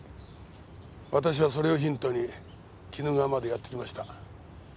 私はそれをヒントに鬼怒川までやって来ました。